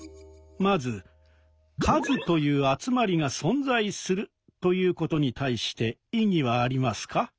まず「『数』という集まりが存在する」ということに対して異議はありますか？